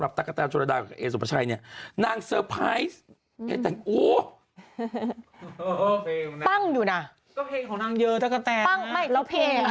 แกแต่งโอ๊ะฟังอยู่น่ะก็เพลงของนางเยอะตะกะแตนฟังไม่แล้วเพลง